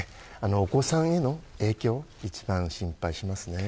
お子さんへの影響を一番心配しますね。